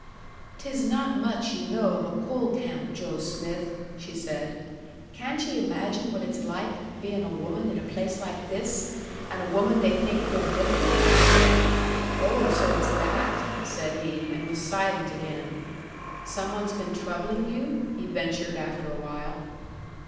"'Tis not much ye know of a coal camp, Joe Smith," she said. "Can't ye imagine what it's like bein' a woman in a place like this? And a woman they think good lookin'!" "Oh, so it's that!" said he, and was silent again. "Some one's been troubling you?" he ventured after a while.